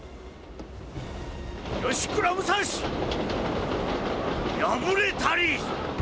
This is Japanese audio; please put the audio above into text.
吉倉武蔵やぶれたり！